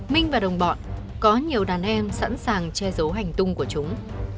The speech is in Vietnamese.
minh và đồng bọn có nhiều đàn em sẵn sàng che giấu hành tung của chúng